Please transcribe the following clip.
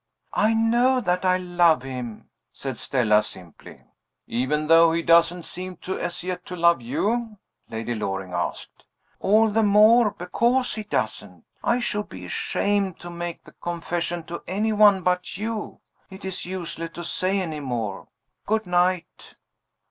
"I know that I love him," said Stella simply. "Even though he doesn't seem as yet to love you?" Lady Loring asked. "All the more because he doesn't. I should be ashamed to make the confession to any one but you. It is useless to say any more. Good night."